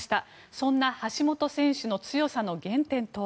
そんな橋本選手の強さの原点とは。